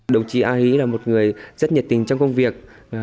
đồng chí a hí là một người rất nhiệt tình trong công việc